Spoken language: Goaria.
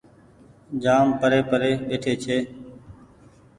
جآم پري پري ٻيٺي ڇي۔